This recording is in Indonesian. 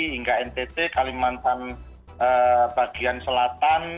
hingga ntt kalimantan bagian selatan